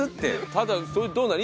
ただそれどうなの？